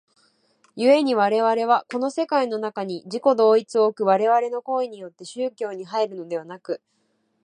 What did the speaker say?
故に我々はこの世界の中に自己同一を置く我々の行為によって宗教に入るのでなく、